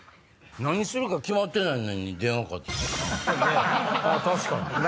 何するか決まってないのに電話かかって来てたな。